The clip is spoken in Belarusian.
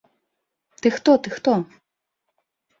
Ты хто, ты хто?